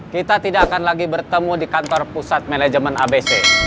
kita tidak akan lagi bertemu di kantor pusat manajemen abc